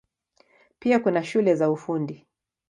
Pia kuna shule za Ufundi.